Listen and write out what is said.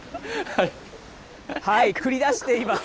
繰り出しています。